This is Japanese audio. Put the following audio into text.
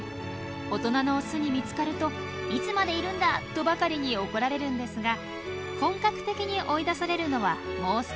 大人のオスに見つかると「いつまでいるんだ！」とばかりに怒られるんですが本格的に追い出されるのはもう少し先のこと。